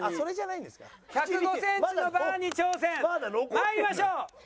まいりましょう。